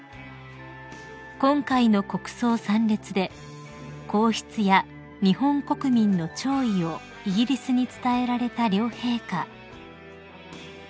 ［今回の国葬参列で皇室や日本国民の弔意をイギリスに伝えられた両陛下］